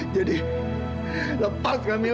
jadi lepas gak mila